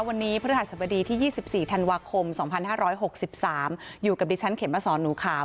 วันนี้พฤหัสบดีที่๒๔ธันวาคม๒๕๖๓อยู่กับดิฉันเข็มมาสอนหนูขาว